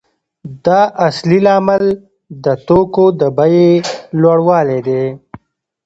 دا اصلي لامل د توکو د بیې لوړوالی دی